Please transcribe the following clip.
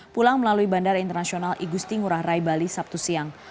pulang melalui bandara internasional igusti ngurah rai bali sabtu siang